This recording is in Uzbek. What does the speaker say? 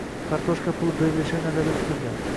“kartoshka puli” berilishi nazarda tutilgan.